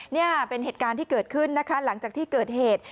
นี่เป็นเหตุการณ์ที่เกิดขึ้นนะคะหลังจากที่เกิดเหตุ